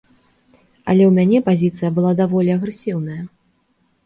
Але ў мяне пазіцыя была даволі агрэсіўная.